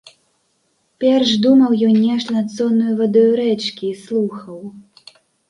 Перш думаў ён нешта над соннаю вадою рэчкі і слухаў.